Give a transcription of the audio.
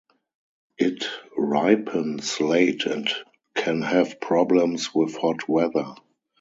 It ripens late and can have problems with hot weather.